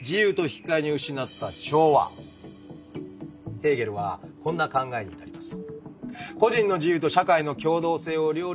ヘーゲルはこんな考えに至ります。